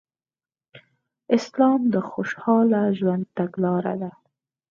اسلام د خوشحاله ژوند تګلاره ده